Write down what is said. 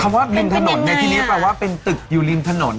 ว่าริมถนนเนี่ยทีนี้แปลว่าเป็นตึกอยู่ริมถนน